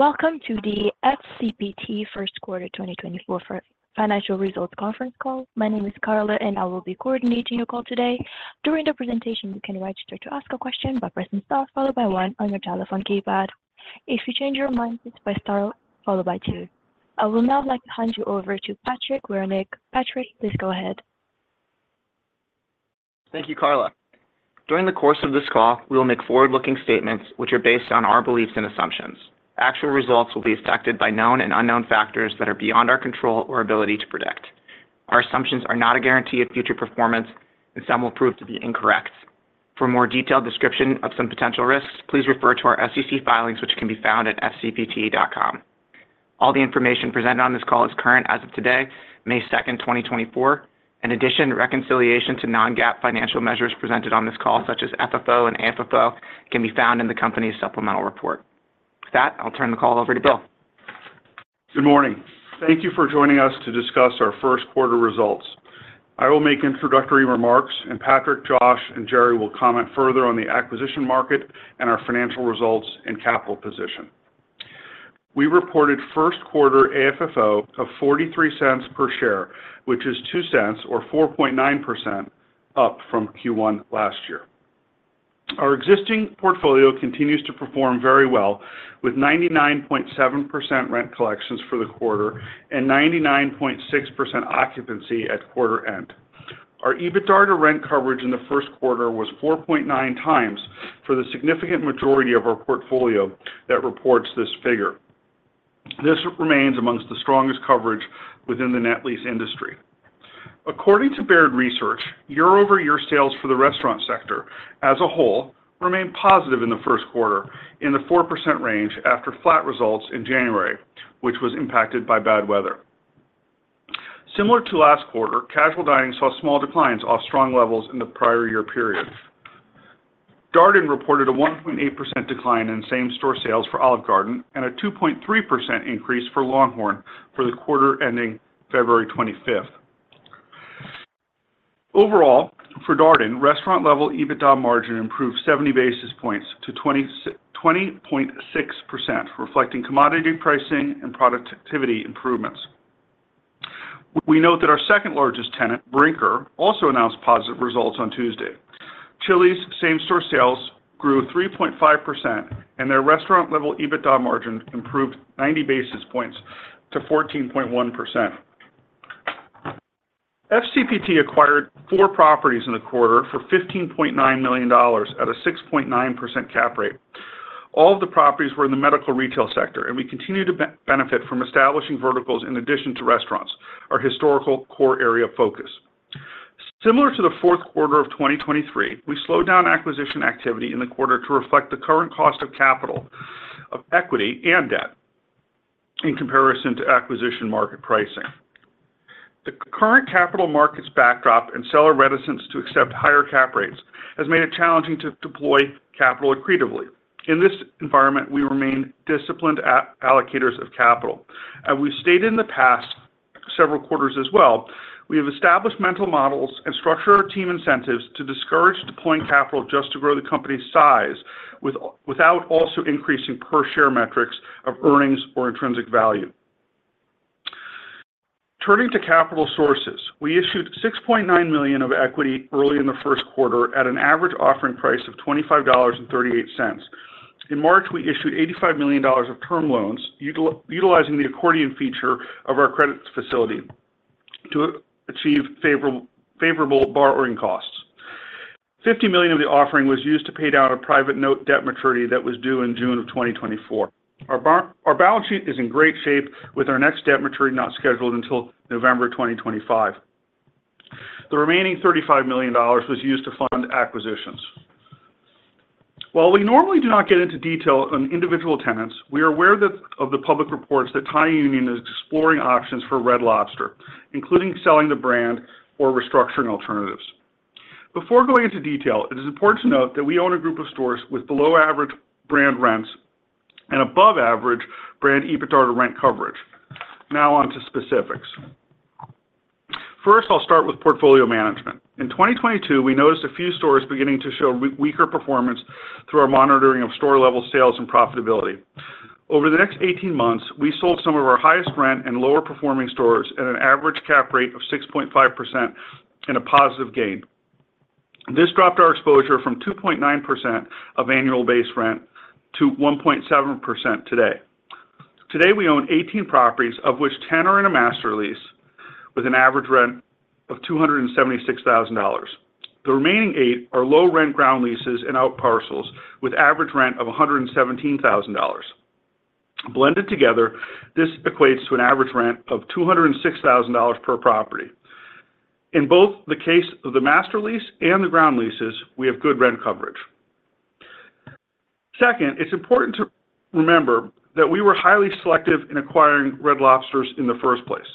Welcome to the FCPT Q1 2024 financial results conference call. My name is Carla, and I will be coordinating your call today. During the presentation, you can register to ask a question by pressing Star followed by One on your telephone keypad. If you change your mind, it's by Star followed by Two. I will now like to hand you over to Patrick Wernig. Patrick, please go ahead. Thank you, Carla. During the course of this call, we will make forward-looking statements which are based on our beliefs and assumptions. Actual results will be affected by known and unknown factors that are beyond our control or ability to predict. Our assumptions are not a guarantee of future performance, and some will prove to be incorrect. For more detailed description of some potential risks, please refer to our SEC filings, which can be found at FCPT.com. All the information presented on this call is current as of today, 2, May 2024. In addition, reconciliation to non-GAAP financial measures presented on this call, such as FFO and AFFO, can be found in the company's supplemental report. With that, I'll turn the call over to Bill. Good morning. Thank you for joining us to discuss our Q1 results. I will make introductory remarks, and Patrick, Josh, and Gerry will comment further on the acquisition market and our financial results and capital position. We reported Q1 AFFO of $0.43 per share, which is $0.02 or 4.9% up from Q1 last year. Our existing portfolio continues to perform very well, with 99.7% rent collections for the quarter and 99.6% occupancy at quarter end. Our EBITDA rent coverage in the Q1 was 4.9x for the significant majority of our portfolio that reports this figure. This remains among the strongest coverage within the net lease industry. According to Baird Research, year-over-year sales for the restaurant sector as a whole remained positive in the Q1 in the 4% range after flat results in January, which was impacted by bad weather. Similar to last quarter, casual dining saw small declines off strong levels in the prior year period. Darden reported a 1.8% decline in same-store sales for Olive Garden and a 2.3% increase for LongHorn for the quarter ending February 25. Overall, for Darden, restaurant-level EBITDA margin improved 70 basis points to 20.6%, reflecting commodity pricing and productivity improvements. We note that our second-largest tenant, Brinker, also announced positive results on Tuesday. Chili's same-store sales grew 3.5%, and their restaurant-level EBITDA margin improved 90 basis points to 14.1%. FCPT acquired four properties in the quarter for $15.9 million at a 6.9% cap rate. All of the properties were in the medical retail sector, and we continue to benefit from establishing verticals in addition to restaurants, our historical core area of focus. Similar to the Q4 of 2023, we slowed down acquisition activity in the quarter to reflect the current cost of capital, of equity and debt in comparison to acquisition market pricing. The current capital markets backdrop and seller reticence to accept higher cap rates has made it challenging to deploy capital accretively. In this environment, we remain disciplined allocators of capital. As we've stated in the past several quarters as well, we have established mental models and structured our team incentives to discourage deploying capital just to grow the company's size, without also increasing per share metrics of earnings or intrinsic value. Turning to capital sources, we issued $6.9 million of equity early in the Q1 at an average offering price of $25.38. In March, we issued $85 million of term loans, utilizing the accordion feature of our credit facility to achieve favorable borrowing costs. $50 million of the offering was used to pay down a private note debt maturity that was due in June 2024. Our balance sheet is in great shape, with our next debt maturity not scheduled until November 2025. The remaining $35 million was used to fund acquisitions. While we normally do not get into detail on individual tenants, we are aware that of the public reports that Thai Union is exploring options for Red Lobster, including selling the brand or restructuring alternatives. Before going into detail, it is important to note that we own a group of stores with below-average brand rents and above-average brand EBITDA to rent coverage. Now on to specifics. First, I'll start with portfolio management. In 2022, we noticed a few stores beginning to show weaker performance through our monitoring of store-level sales and profitability. Over the next 18 months, we sold some of our highest rent and lower-performing stores at an average cap rate of 6.5% and a positive gain. This dropped our exposure from 2.9% of annual base rent to 1.7% today. Today, we own 18 properties, of which 10 are in a master lease, with an average rent of $276,000. The remaining 8 are low rent ground leases and outparcels, with average rent of $117,000. Blended together, this equates to an average rent of $206,000 per property. In both the case of the master lease and the ground leases, we have good rent coverage. Second, it's important to remember that we were highly selective in acquiring Red Lobsters in the first place.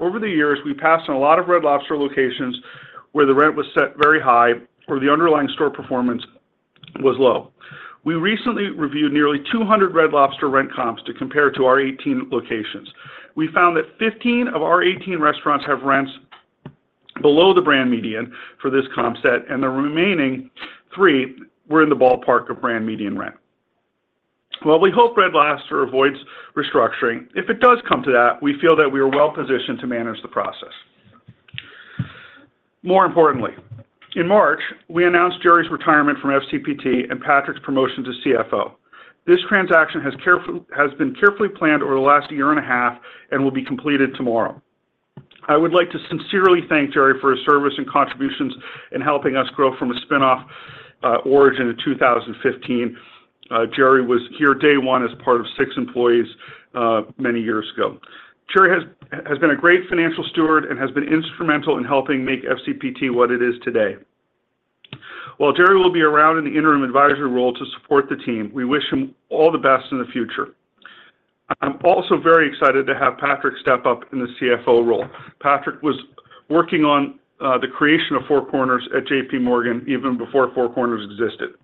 Over the years, we passed on a lot of Red Lobster locations where the rent was set very high or the underlying store performance was low. We recently reviewed nearly 200 Red Lobster rent comps to compare to our 18 locations. We found that 15 of our 18 restaurants have rents-... below the brand median for this comp set, and the remaining three were in the ballpark of brand median rent. While we hope Red Lobster avoids restructuring, if it does come to that, we feel that we are well-positioned to manage the process. More importantly, in March, we announced Gerry's retirement from FCPT and Patrick's promotion to CFO. This transaction has been carefully planned over the last year and a half and will be completed tomorrow. I would like to sincerely thank Gerry for his service and contributions in helping us grow from a spin-off, origin in 2015. Gerry was here day one as part of six employees, many years ago. Gerry has been a great financial steward and has been instrumental in helping make FCPT what it is today. While Gerry will be around in the interim advisory role to support the team, we wish him all the best in the future. I'm also very excited to have Patrick step up in the CFO role. Patrick was working on the creation of Four Corners at J.P. Morgan even before Four Corners existed.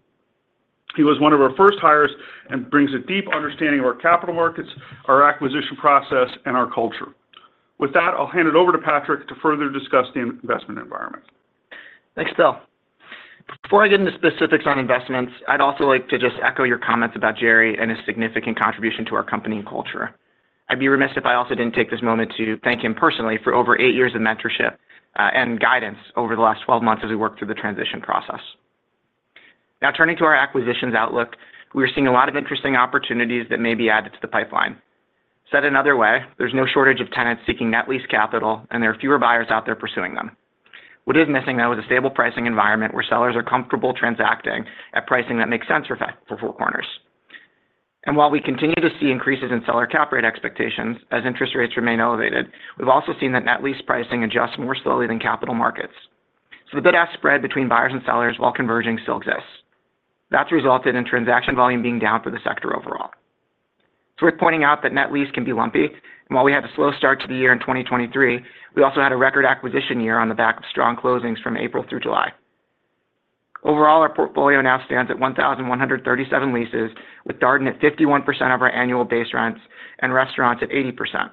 He was one of our first hires and brings a deep understanding of our capital markets, our acquisition process, and our culture. With that, I'll hand it over to Patrick to further discuss the investment environment. Thanks, Bill. Before I get into specifics on investments, I'd also like to just echo your comments about Gerry and his significant contribution to our company and culture. I'd be remiss if I also didn't take this moment to thank him personally for over eight years of mentorship and guidance over the last twelve months as we worked through the transition process. Now, turning to our acquisitions outlook, we're seeing a lot of interesting opportunities that may be added to the pipeline. Said another way, there's no shortage of tenants seeking net lease capital, and there are fewer buyers out there pursuing them. What is missing, though, is a stable pricing environment where sellers are comfortable transacting at pricing that makes sense for Four Corners. While we continue to see increases in seller cap rate expectations as interest rates remain elevated, we've also seen that net lease pricing adjust more slowly than capital markets. The bid-ask spread between buyers and sellers, while converging, still exists. That's resulted in transaction volume being down for the sector overall. It's worth pointing out that net lease can be lumpy, and while we had a slow start to the year in 2023, we also had a record acquisition year on the back of strong closings from April through July. Overall, our portfolio now stands at 1,137 leases, with Darden at 51% of our annual base rents and restaurants at 80%.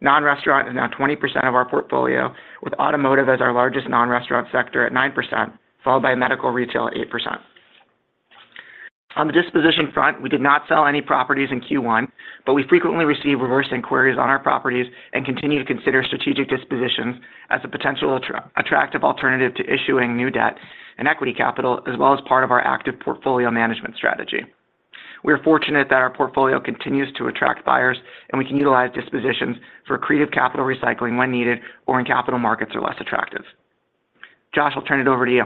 Non-restaurant is now 20% of our portfolio, with automotive as our largest non-restaurant sector at 9%, followed by medical retail at 8%. On the disposition front, we did not sell any properties in Q1, but we frequently receive reverse inquiries on our properties and continue to consider strategic dispositions as a potential attractive alternative to issuing new debt and equity capital, as well as part of our active portfolio management strategy. We are fortunate that our portfolio continues to attract buyers, and we can utilize dispositions for creative capital recycling when needed or when capital markets are less attractive. Josh, I'll turn it over to you.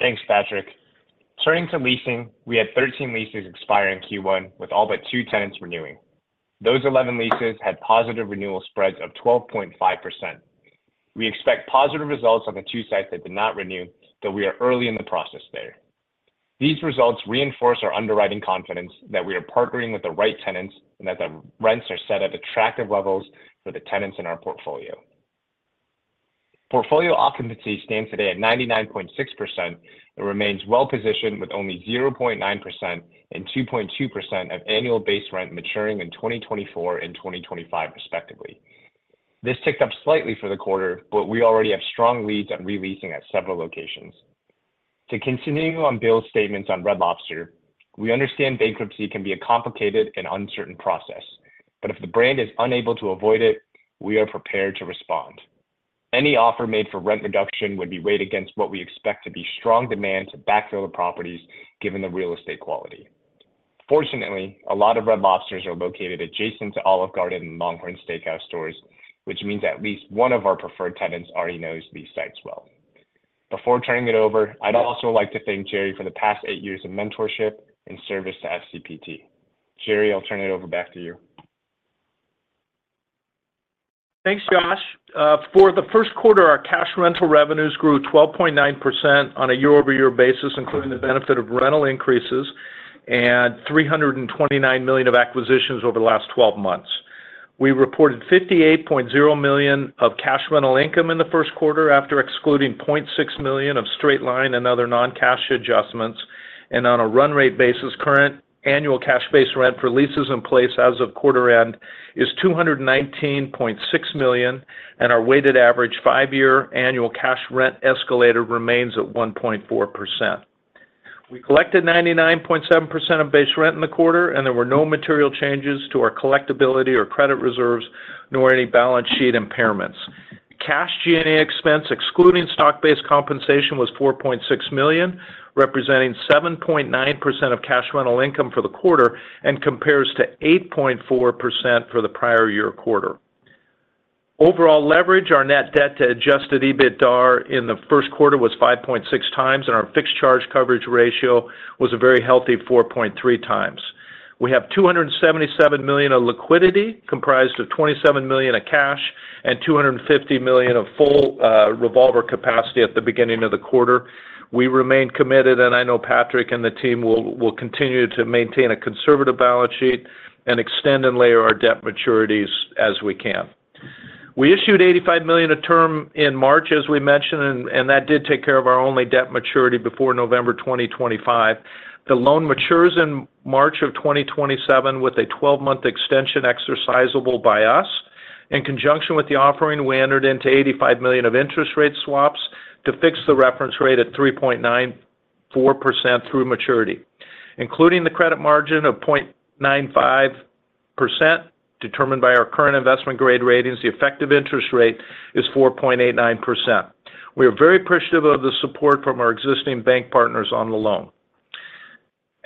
Thanks, Patrick. Turning to leasing, we had 13 leases expire in Q1, with all but two tenants renewing. Those 11 leases had positive renewal spreads of 12.5%. We expect positive results on the two sites that did not renew, though we are early in the process there. These results reinforce our underwriting confidence that we are partnering with the right tenants and that the rents are set at attractive levels for the tenants in our portfolio. Portfolio occupancy stands today at 99.6% and remains well positioned, with only 0.9% and 2.2% of annual base rent maturing in 2024 and 2025 respectively. This ticked up slightly for the quarter, but we already have strong leads on re-leasing at several locations. To continue on Bill's statements on Red Lobster, we understand bankruptcy can be a complicated and uncertain process, but if the brand is unable to avoid it, we are prepared to respond. Any offer made for rent reduction would be weighed against what we expect to be strong demand to backfill the properties, given the real estate quality. Fortunately, a lot of Red Lobsters are located adjacent to Olive Garden and LongHorn Steakhouse stores, which means at least one of our preferred tenants already knows these sites well. Before turning it over, I'd also like to thank Gerry for the past eight years of mentorship and service to FCPT. Gerry, I'll turn it over back to you. Thanks, Josh. For the Q1, our cash rental revenues grew 12.9% on a year-over-year basis, including the benefit of rental increases and $329 million of acquisitions over the last twelve months. We reported $58.0 million of cash rental income in the Q1, after excluding $0.6 million of straight-line and other non-cash adjustments. On a run-rate basis, current annual cash base rent for leases in place as of quarter end is $219.6 million, and our weighted average five-year annual cash rent escalator remains at 1.4%. We collected 99.7% of base rent in the quarter, and there were no material changes to our collectibility or credit reserves, nor any balance sheet impairments. Cash G&A expense, excluding stock-based compensation, was $4.6 million, representing 7.9% of cash rental income for the quarter and compares to 8.4% for the prior year quarter. Overall leverage, our net debt to adjusted EBITDA in the Q1 was 5.6x and our fixed charge coverage ratio was a very healthy 4.3x. We have $277 million of liquidity, comprised of $27 million of cash and $250 million of full revolver capacity at the beginning of the quarter. We remain committed, and I know Patrick and the team will, will continue to maintain a conservative balance sheet and extend and layer our debt maturities as we can. We issued $85 million of term in March, as we mentioned, and that did take care of our only debt maturity before November 2025. The loan matures in March 2027, with a 12-month extension exercisable by us. In conjunction with the offering, we entered into $85 million of interest rate swaps to fix the reference rate at 3.94% through maturity. Including the credit margin of 0.95%, determined by our current investment grade ratings, the effective interest rate is 4.89%. We are very appreciative of the support from our existing bank partners on the loan.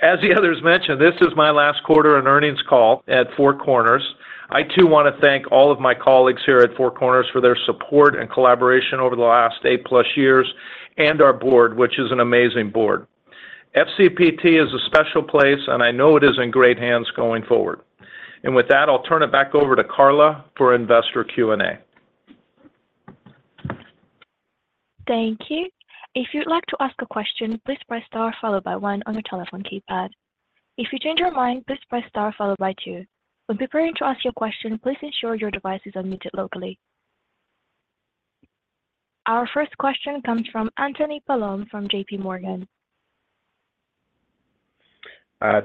As the others mentioned, this is my last quarter on earnings call at Four Corners. I, too, want to thank all of my colleagues here at Four Corners for their support and collaboration over the last 8+ years, and our board, which is an amazing board. FCPT is a special place, and I know it is in great hands going forward. With that, I'll turn it back over to Carla for investor Q&A. Thank you. If you'd like to ask a question, please press star followed by one on your telephone keypad. If you change your mind, please press star followed by two. When preparing to ask your question, please ensure your device is unmuted locally. Our first question comes from Anthony Paolone from JPMorgan.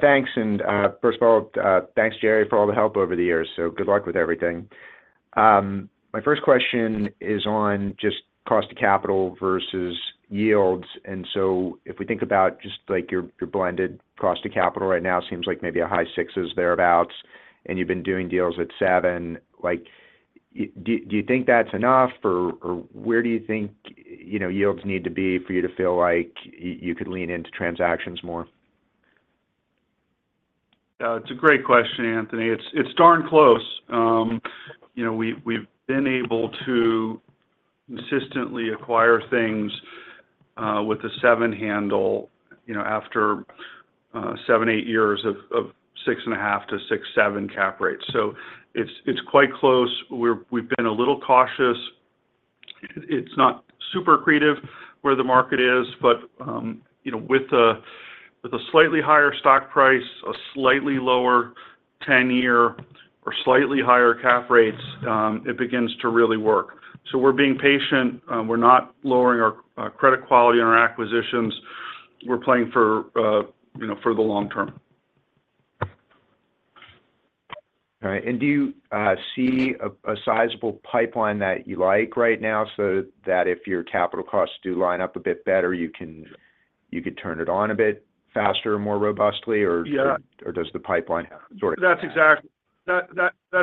Thanks. First of all, thanks, Gerry, for all the help over the years. Good luck with everything. My first question is on just cost of capital versus yields. So if we think about just, like, your blended cost of capital right now, seems like maybe a high sixes thereabout, and you've been doing deals at seven. Like, do you think that's enough, or where do you think, you know, yields need to be for you to feel like you could lean into transactions more? It's a great question, Anthony. It's darn close. You know, we've been able to consistently acquire things with a 7 handle, you know, after 7-8 years of 6.5-6-7 cap rates. So it's quite close. We've been a little cautious. It's not super accretive where the market is, but you know, with a slightly higher stock price, a slightly lower 10-year or slightly higher cap rates, it begins to really work. So we're being patient. We're not lowering our credit quality on our acquisitions. We're playing for you know, for the long term. All right. And do you see a sizable pipeline that you like right now, so that if your capital costs do line up a bit better, you can, you could turn it on a bit faster or more robustly, or- Yeah. Or does the pipeline sort of- That's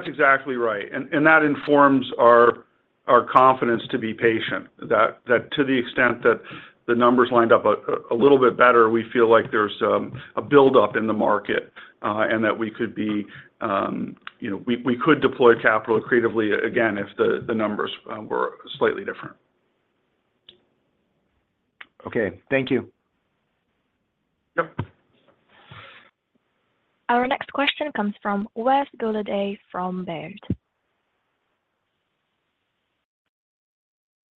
exactly right. And that informs our confidence to be patient. That to the extent that the numbers lined up a little bit better, we feel like there's a buildup in the market, and that we could be, you know, we could deploy capital creatively again, if the numbers were slightly different. Okay. Thank you. Yep. Our next question comes from Wes Golladay from Baird.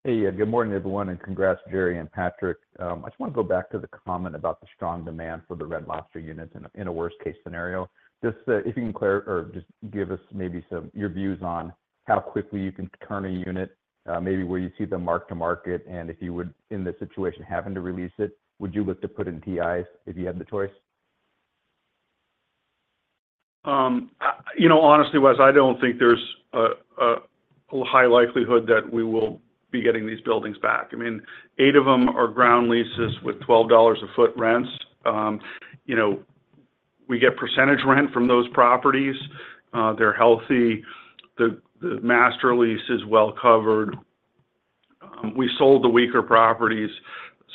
Hey, yeah, good morning, everyone, and congrats, Gerry and Patrick. I just want to go back to the comment about the strong demand for the Red Lobster units in a worst-case scenario. Just, if you can clear or just give us maybe some-- your views on how quickly you can turn a unit, maybe where you see the mark to market, and if you would, in this situation, happen to release it, would you look to put in TIs if you had the choice? You know, honestly, Wes, I don't think there's a high likelihood that we will be getting these buildings back i mean, eight of them are ground leases with $12 a foot rents. You know, we get percentage rent from those properties. They're healthy. The master lease is well covered. We sold the weaker properties,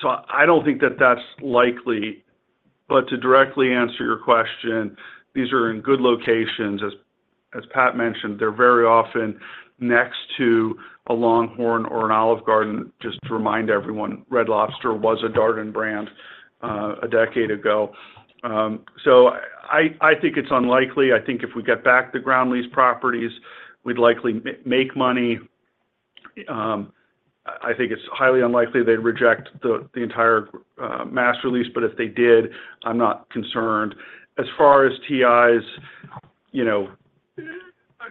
I don't think that that's likely. But to directly answer your question, these are in good locations. As Pat mentioned, they're very often next to a LongHorn or an Olive Garden. Just to remind everyone, Red Lobster was a Darden brand a decade ago. I think it's unlikely i think if we get back the ground lease properties, we'd likely make money. I think it's highly unlikely they'd reject the entire master lease, but if they did, I'm not concerned. As far as TIs, you know,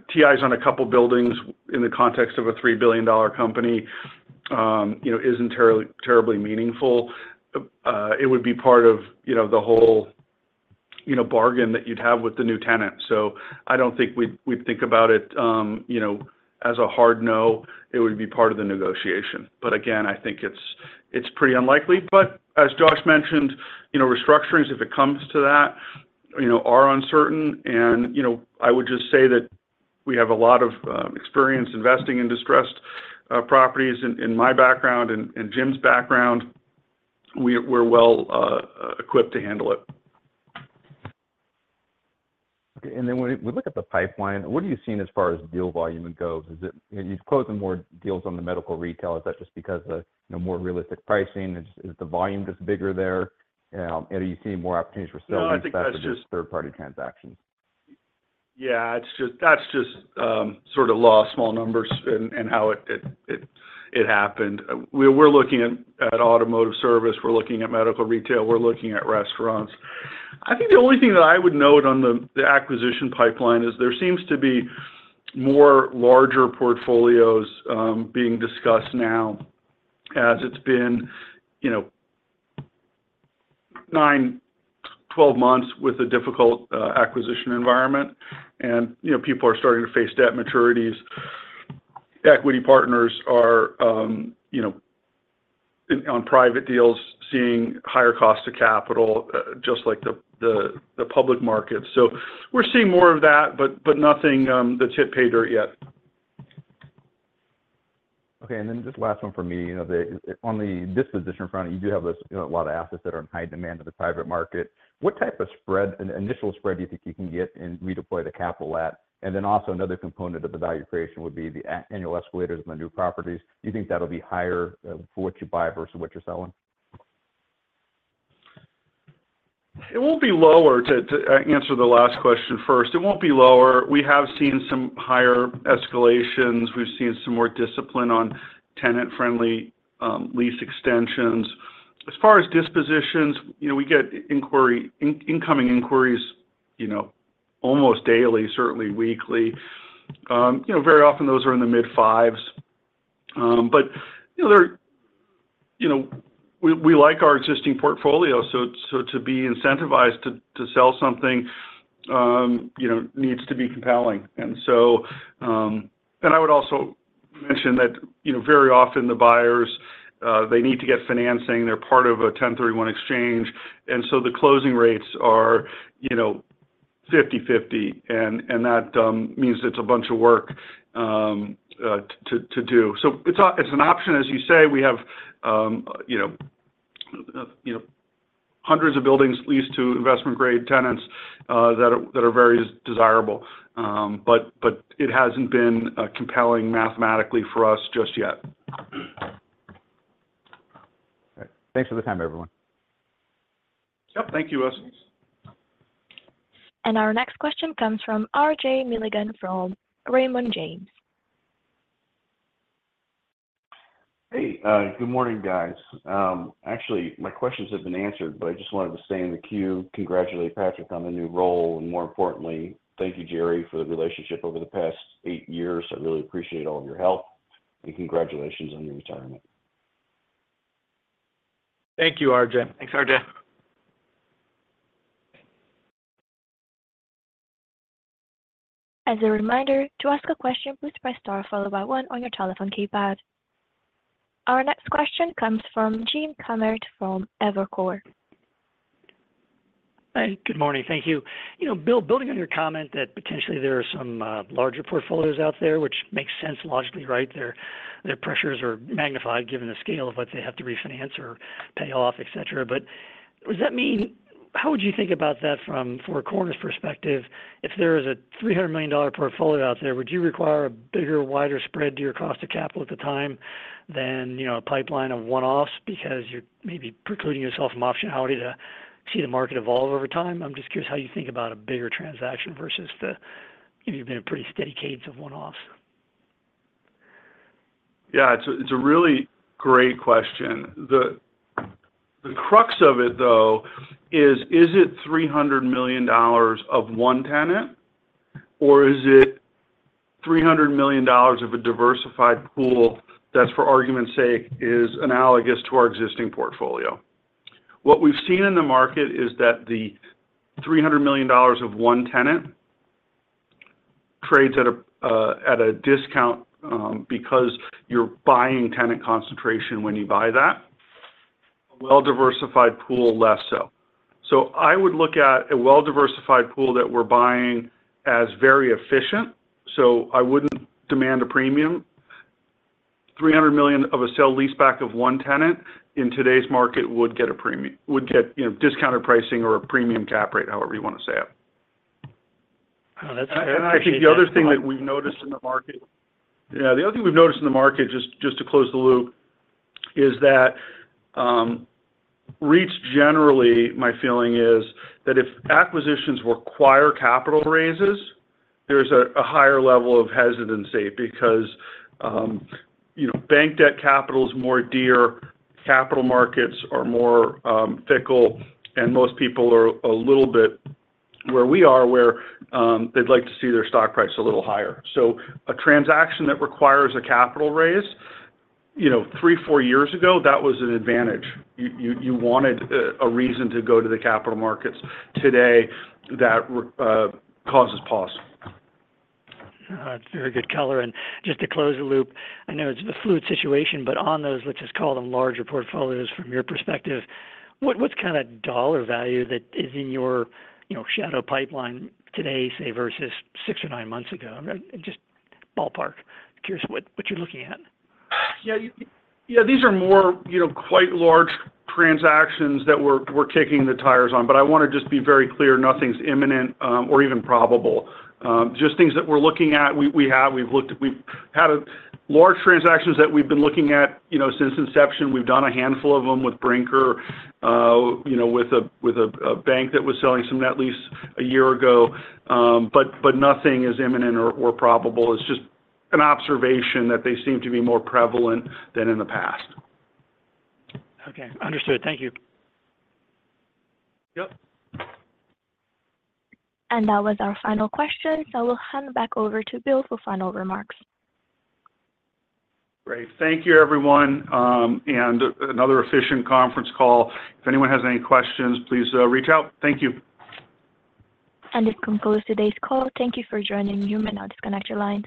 TIs on a couple buildings in the context of a $3 billion company, you know, isn't terribly, terribly meaningful. It would be part of, you know, the whole, you know, bargain that you'd have with the new tenant. I don't think we'd think about it, you know, as a hard no, it would be part of the negotiation. Again, I think it's pretty unlikely. As Josh mentioned, you know, restructurings, if it comes to that, you know, are uncertain. You know, I would just say that we have a lot of experience investing in distressed properties in my background and Jim's background. We're well equipped to handle it. Okay. And then when we look at the pipeline, what are you seeing as far as deal volume goes? Is it—you're closing more deals on the medical retail is that just because of, you know, more realistic pricing? Is the volume just bigger there? And are you seeing more opportunities for sale- No, I think that's just- -third-party transactions? Yeah, it's just-- That's just sort of law of small numbers and how it happened. We're looking at automotive service, we're looking at medical retail, we're looking at restaurants. I think the only thing that I would note on the acquisition pipeline is there seems to be more larger portfolios being discussed now, as it's been, you know, 9-12 months with a difficult acquisition environment. You know, people are starting to face debt maturities. Equity partners are, you know, on private deals, seeing higher cost of capital just like the public market. We're seeing more of that, but nothing that's hit pay dirt yet. Okay, and then just last one for me you know, on the disposition front, you do have this, you know, a lot of assets that are in high demand in the private market. What type of spread, an initial spread, do you think you can get and redeploy the capital at? And then also another component of the value creation would be the annual escalators of the new properties. Do you think that'll be higher for what you buy versus what you're selling? It won't be lower to answer the last question first, it won't be lower. We have seen some higher escalations we've seen some more discipline on tenant-friendly lease extensions. As far as dispositions, you know, we get incoming inquiries, you know, almost daily, certainly weekly. You know, very often those are in the mid-fives. You know, they're, you know, we like our existing portfolio, so to be incentivized to sell something, you know, needs to be compelling. I would also mention that, you know, very often the buyers they need to get financing they're part of a 1031 exchange, and so the closing rates are, you know, 50/50, and that means it's a bunch of work to do. It's, it's an option, as you say we have, you know, you know, 100 of buildings leased to investment-grade tenants, that are, that are very desirable but it hasn't been, compelling mathematically for us just yet. All right. Thanks for the time, everyone. Yep. Thank you, Wesley. Our next question comes from RJ Milligan from Raymond James. Hey, good morning, guys. Actually, my questions have been answered, but I just wanted to stay in the queue, congratulate Patrick on the new role, and more importantly, thank you, Gerry, for the relationship over the past eight years. I really appreciate all of your help, and congratulations on your retirement. Thank you, RJ. Thanks, RJ. As a reminder, to ask a question, please press star followed by one on your telephone keypad. Our next question comes from James Kammert from Evercore. Hi, good morning. Thank you. Bill, building on your comment that potentially there are some larger portfolios out there, which makes sense logically, right? Their, their pressures are magnified, given the scale of what they have to refinance or pay off, et cetera. Does that mean, how would you think about that from Four Corners' perspective, if there is a $300 million portfolio out there, would you require a bigger, wider spread to your cost of capital at the time than, you know, a pipeline of one-offs because you're maybe precluding yourself from optionality to see the market evolve over time? I'm just curious how you think about a bigger transaction versus the, you've been a pretty steady cadence of one-offs. It's a, it's a really great question. The, the crux of it, though, is, is it $300 million of one tenant, or is it $300 million of a diversified pool that, for argument's sake, is analogous to our existing portfolio? What we've seen in the market is that the $300 million of one tenant trades at a discount, because you're buying tenant concentration when you buy that. A well-diversified pool, less. I would look at a well-diversified pool that we're buying as very efficient, Iwouldn't demand a premium. $300 million of a sale-leaseback of one tenant in today's market would get, you know, discounted pricing or a premium cap rate, however you want to say it. That's great. I think the other thing that we've noticed in the market. Yeah, the other thing we've noticed in the market, just to close the loop, is that REITs generally, my feeling is, that if acquisitions require capital raises? there's a higher level of hesitancy because, you know, bank debt capital is more dear, capital markets are more fickle, and most people are a little bit where we are, where they'd like to see their stock price a little higher. A transaction that requires a capital raise, you know, three, four years ago, that was an advantage. You wanted a reason to go to the capital markets. Today, that causes pause. It's very good color. And just to close the loop, I know it's a fluid situation, but on those, let's just call them larger portfolios from your perspective, what, what's kind of dollar value that is in your, you know, shadow pipeline today, say, versus six or nine months ago? Just ballpark. Curious what, what you're looking at. These are more, you know, quite large transactions that we're kicking the tires on, but I want to just be very clear, nothing's imminent, or even probable. Just things that we're looking at we have, we've looked we've had a large transactions that we've been looking at, you know, since inception we've done a handful of them with Brinker, you know, with a bank that was selling some net lease a year ago, but nothing is imminent or probable. It's just an observation that they seem to be more prevalent than in the past. Okay, understood. Thank you. Yep. That was our final question, We'll hand it back over to Bill for final remarks. Great. Thank you, everyone, and another efficient conference call. If anyone has any questions, please, reach out. Thank you. This concludes today's call. Thank you for joining me, and now disconnect your line.